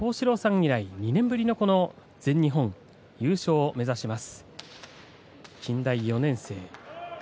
以来２年ぶりの全日本優勝を目指します。